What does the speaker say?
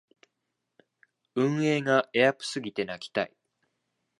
運営がエアプすぎて泣きたい